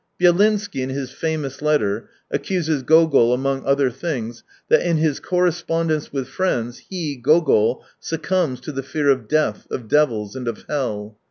Byelinsky, in his famous letter, accuses Gogol, among other things, that in his Correspondence with Friends, he, Gogol, succumbs to the fear of death, of devils, and of hell.